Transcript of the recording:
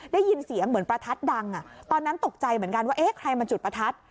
ได้ยินเสียงเหมือนประทัดดังตอนนั้นตกใจเหมือนกันว่าเอ๊ะใครมาจุดประทัด